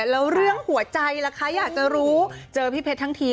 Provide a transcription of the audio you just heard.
แล้วเรื่องหัวใจล่ะคะอยากจะรู้เจอพี่เพชรทั้งที